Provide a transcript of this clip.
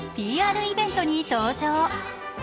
ＰＲイベントに登場。